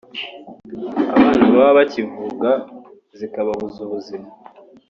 abana baba bakivuga zikababuza ubuzima